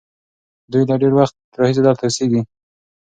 دوی له ډېر وخت راهیسې دلته اوسېږي.